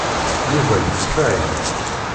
Yuba yettfay.